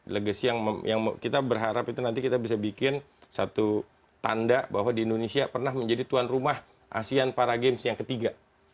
legacy yang kita berharap itu nanti kita bisa bikin satu tanda bahwa di indonesia pernah menjadi tuan rumah asean para games yang ketiga